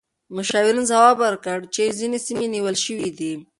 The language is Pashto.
مشاورین ځواب ورکړ چې ځینې سیمې نیول شوې دي.